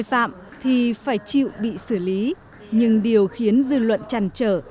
sài phạm thì phải chịu bị xử lý nhưng điều khiến dư luận tràn trở